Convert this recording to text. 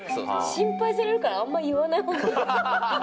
心配されるから、あんまり言わないほうがいい。